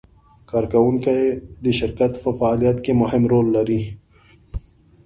کارکوونکي د شرکت په فعالیت کې مهم رول لري.